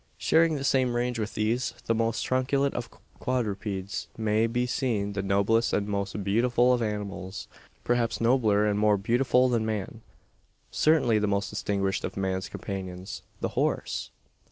Sharing the same range with these, the most truculent of quadrupeds, may be seen the noblest and most beautiful of animals perhaps nobler and more beautiful than man certainly the most distinguished of man's companions the horse!